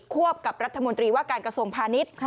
วบกับรัฐมนตรีว่าการกระทรวงพาณิชย์